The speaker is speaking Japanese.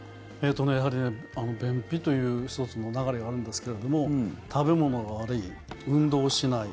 やはり、便秘という１つの流れがあるんですけども食べ物が悪い、運動しない